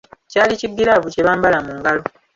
Kyali kigiraavu kye bambala mu ngalo.